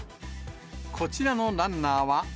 こちらのランナーは。